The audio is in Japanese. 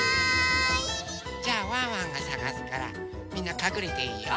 じゃあワンワンがさがすからみんなかくれていいよ。